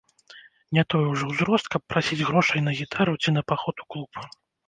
Не той ужо ўзрост, каб прасіць грошай на гітару ці на паход у клуб.